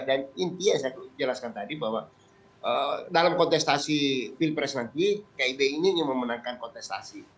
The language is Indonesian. dan intinya yang saya jelaskan tadi bahwa dalam kontestasi pilpres nanti kid ini yang memenangkan kontestasi